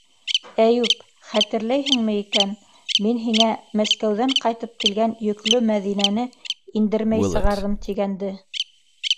Әйүп, хәтерләйһеңме икән, мин һиңә Мәскәүҙән ҡайтып килгән йөклө Мәҙинәне индермәй сығарҙым тигәнде.